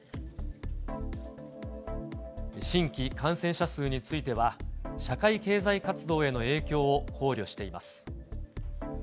新規感染者数については、社会経済活動への影響を考慮しています。